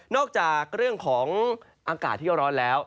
จากเรื่องของอากาศที่ร้อนแล้ว